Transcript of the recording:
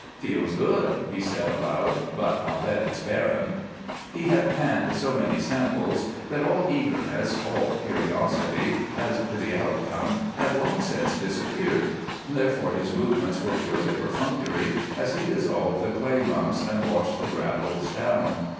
"Feels good," he said, aloud, "but I'll bet it's barren." He had panned so many samples that all eagerness, all curiosity as to the outcome, had long since disappeared, therefore his movements were purely perfunctory as he dissolved the clay lumps and washed the gravels down.